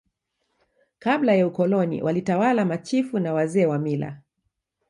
Kabla ya Ukoloni walitawala Machifu na Wazee wa mila